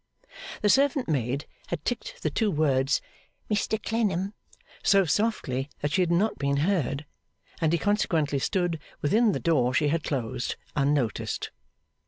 The servant maid had ticked the two words 'Mr Clennam' so softly that she had not been heard; and he consequently stood, within the door she had closed, unnoticed.